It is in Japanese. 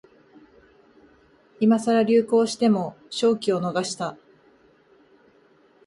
今さら流行しても商機を逃した